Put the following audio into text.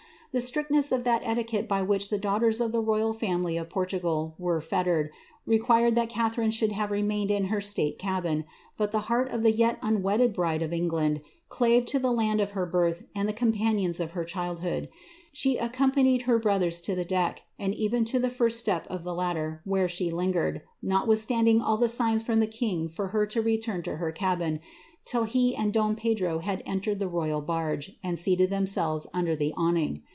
:tness of that etiquette by which the daughters of the royal Portugal were fettered, required that Catharine should have in her state cabin ; but the heart of the yet unwedded bride of clave to the land of her birth and the companions of her child he accompanied her brothers to the deck, and even to the first he ladder, where she lingered, notwithstanding all the signs king for her to return to her cabin, till he and don Pedro had le royal banre, and seated themselves under the awning.'